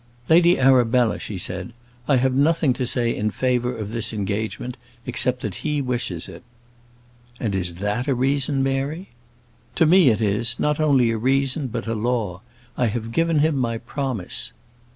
"Lady Arabella," she said, "I have nothing to say in favour of this engagement, except that he wishes it." "And is that a reason, Mary?" "To me it is; not only a reason, but a law. I have given him my promise."